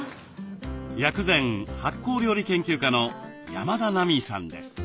薬膳・発酵料理研究家の山田奈美さんです。